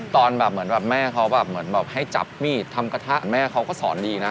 ตอนแม่เขาแบบให้จับมีดทำกระทะแม่เขาก็สอนดีนะ